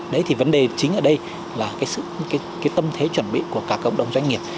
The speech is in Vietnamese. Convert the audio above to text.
đấy thì vấn đề chính ở đây là cái tâm thế chuẩn bị của cả cộng đồng doanh nghiệp